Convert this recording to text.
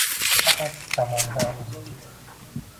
Faqat zamondan o‘zib ketdi.